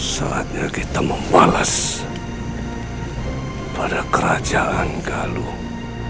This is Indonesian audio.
saatnya kita membalas pada kerajaan galung